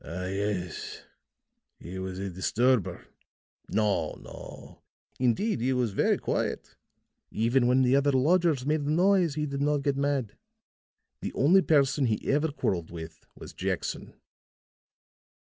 "Ah, yes. He was a disturber." "No, no. Indeed, he was very quiet. Even when the other lodgers made a noise he did not get mad. The only person he ever quarreled with was Jackson."